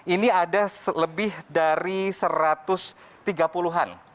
ini ada lebih dari satu ratus tiga puluh an